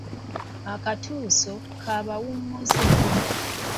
Akatuuso k’abawummuze.